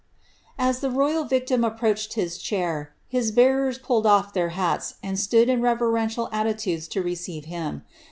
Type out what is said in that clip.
^ ttio rojral victim approached his chair, his bearere pulled off their md etood in reverential attitndes to receive him.